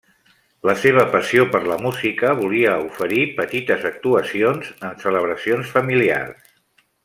La seva passió per la música volia oferir petites actuacions en celebracions familiars.